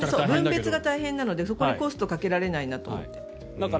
分別が大変なのでそこにコストがかけられないなと思って。